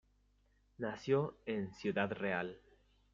Nació en Ciudad Real.